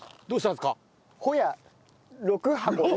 どうしたんですか？